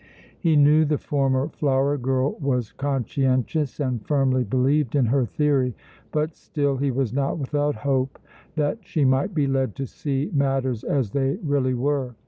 He knew the former flower girl was conscientious and firmly believed in her theory, but still he was not without hope that she might be led to see matters as they really were.